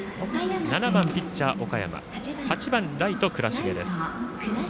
７番、ピッチャー、岡山８番、ライト、倉重です。